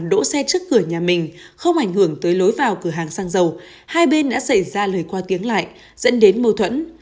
đỗ xe trước cửa nhà mình không ảnh hưởng tới lối vào cửa hàng xăng dầu hai bên đã xảy ra lời qua tiếng lại dẫn đến mâu thuẫn